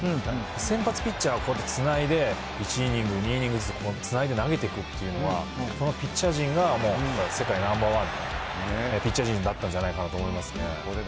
先発ピッチャーをこうやってつないで、１イニング、２イニングずつつないで投げていくっていうのは、このピッチャー陣がもう、世界ナンバーワンのピッチャー陣だったんじゃないかと思いますね